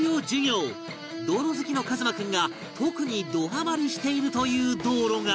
道路好きの一翔君が特にどハマりしているという道路が